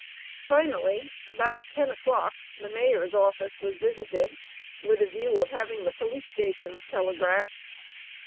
Finally about ten o'clock, the mayor's office was visited with a view of having the police stations telegraphed.